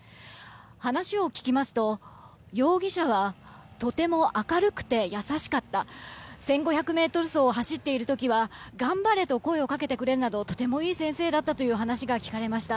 話を聞きますと、容疑者はとても明るくて優しかった１５００ｍ走を走っている時は頑張れと声をかけてくれるなどとてもいい先生だったという話が聞かれました。